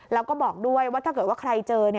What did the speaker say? แล้วก็บอกด้วยว่าถ้าเกิดว่าใครเจอ